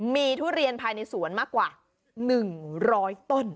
มีทุเรียนภายในสวนมากกว่า๑๐๐ต้น